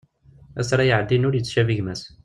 Ass ara iɛeddin ur yettcabi gma-s.